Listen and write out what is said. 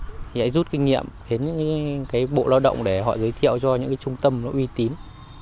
thì hãy rút kinh nghiệm đến những cái bộ lao động để họ giới thiệu cho những cái trung tâm nó uy tín